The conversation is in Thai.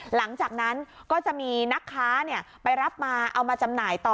หลังจากนั้นก็จะมีนักค้าไปรับมาเอามาจำหน่ายต่อ